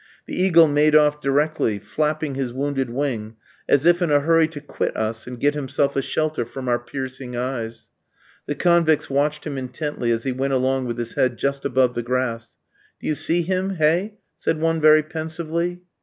The eagle made off directly, flapping his wounded wing, as if in a hurry to quit us and get himself a shelter from our piercing eyes. The convicts watched him intently as he went along with his head just above the grass. "Do you see him, hey?" said one very pensively.